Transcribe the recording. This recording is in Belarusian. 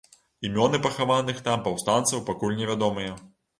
Імёны пахаваных там паўстанцаў пакуль невядомыя.